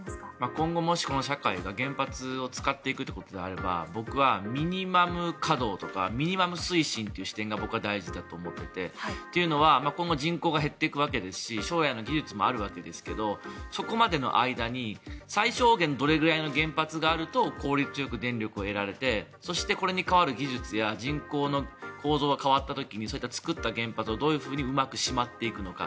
今後もしこの社会が原発を使っていくってことになるなら僕はミニマム稼働とかミニマム推進という視点が僕は大事だと思っていてというのが今後人口が減っていくわけですし将来の技術もあるわけですがそこまでの間に最小限どれくらいの原発があると効率よく電力を得られてそしてこれに代わる技術や人口の構造が変わった時に作った電力をどういうふうにうまくしまっていくのか。